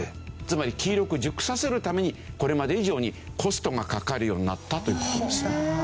つまり黄色く熟させるためにこれまで以上にコストがかかるようになったという事です。